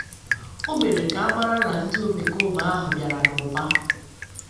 O mere ka a mara na ndị omekoome ahụ bịara n'ụbá